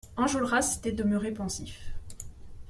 Enjolras était demeuré pensif.